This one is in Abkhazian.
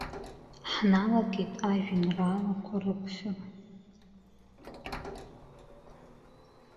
Ҳналагеит ажәеинраалақәа рыԥхьара.